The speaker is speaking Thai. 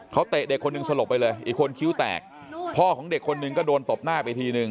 เขาเตะเด็กคนหนึ่งสลบไปเลยอีกคนคิ้วแตกพ่อของเด็กคนหนึ่งก็โดนตบหน้าไปทีนึง